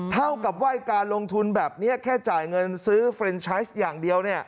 เท่ากับว่าการลงทุนแบบนี้แค่จ่ายเงินซื้อเฟรนชัยอย่างเดียว